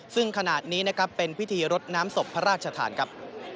ซึ่งขนาดนี้นะครับเป็นพิธีรดน้ำศพพระราชทานครับ